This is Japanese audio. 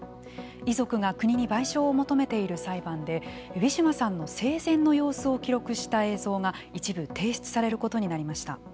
遺族が国に賠償を求めている裁判でウィシュマさんの生前の様子を記録した映像が一部提出されることになりました。